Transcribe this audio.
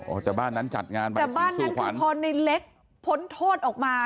โอ้แต่บ้านนั้นจัดงานบายศรีสู่ขวัญแต่บ้านนั้นคือพอในเล็กพ้นโทษออกมา